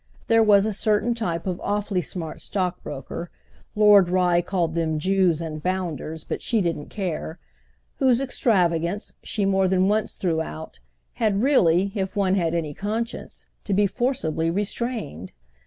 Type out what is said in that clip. There was a certain type of awfully smart stockbroker—Lord Rye called them Jews and bounders, but she didn't care—whose extravagance, she more than once threw out, had really, if one had any conscience, to be forcibly restrained.